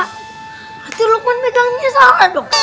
tapi lukman pegangnya salah dong